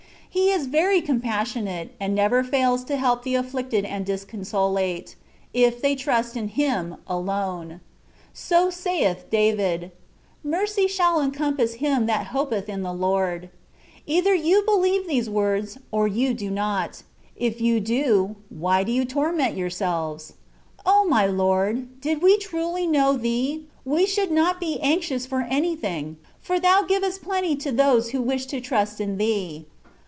He is very compassionate, and never fails to help the afflicted and disconsolate, if they trust in Him alone. So saith David, ^^ Mercy shall encompass him that hopeth in the Lord.'^ Either you beheve these words, or you do not : if you do, why do you tor ment yourselves? O my Lord! did we truly know Thee, we should not be anxious for any thing, for Thou givest plenty to those who wish to trust in Thee.